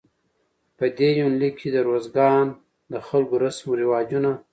په دې يونليک کې د روزګان د خلکو رسم رواجونه